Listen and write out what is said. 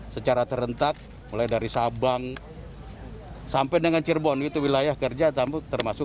secara terrentak mulai dari sabang sampai dengan cirebon itu wilayah kerja tambuk termasuk